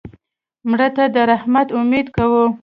مړه ته د رحمت امید کوو